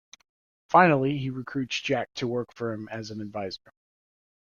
Finally, he recruits Jack to work for him as an adviser.